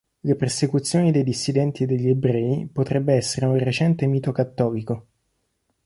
Le persecuzioni dei dissidenti e degli ebrei potrebbe essere un recente mito cattolico.